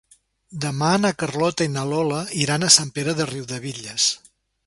Demà na Carlota i na Lola iran a Sant Pere de Riudebitlles.